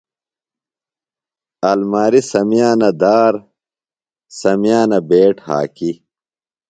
آلماریۡ سمیانہ دار، سمیانہ بیٹ ہاکی